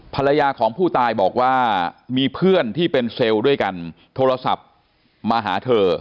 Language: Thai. ภรรยาของผู้ตายบอกว่ามีเพื่อนที่เป็นเซลล์ด้วยกันโทรศัพท์มาหาเธอ